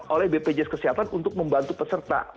oleh bpjs kesehatan untuk membantu peserta